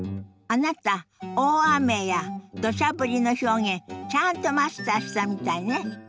あなた「大雨」や「どしゃ降り」の表現ちゃんとマスターしたみたいね。